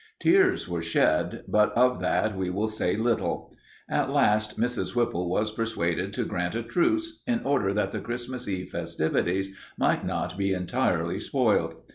Tears were shed, but of that we will say little. At last Mrs. Whipple was persuaded to grant a truce in order that the Christmas Eve festivities might not be entirely spoiled.